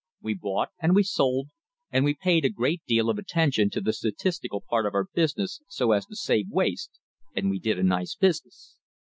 We bought and we sold, and we paid a great deal of attention to the statistical part of our business so as to save waste, and we did a nice business.